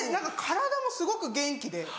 体もすごく元気で。